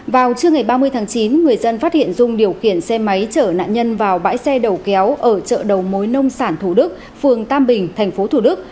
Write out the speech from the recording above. vào trưa ngày ba mươi tháng chín người dân phát hiện dung điều khiển xe máy chở nạn nhân vào bãi xe đầu kéo ở chợ đầu mối nông sản thủ đức phường tam bình tp thủ đức